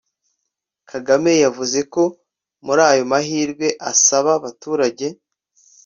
Kagame yavuze ko muri ayo mahirwe asaba abaturage